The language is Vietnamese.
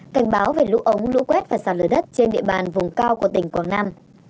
cảnh báo về lũ ống lũ quét và sạt lở đất trên địa bàn vùng cao của tỉnh quảng nam